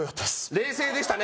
冷静でしたね